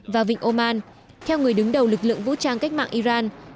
và vịnh oman theo người đứng đầu lực lượng vũ trang cách mạng iran